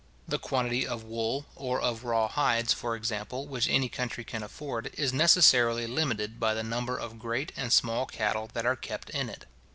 The quantity of wool or of raw hides, for example, which any country can afford, is necessarily limited by the number of great and small cattle that are kept in it.